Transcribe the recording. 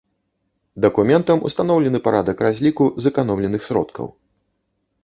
Дакументам устаноўлены парадак разліку зэканомленых сродкаў.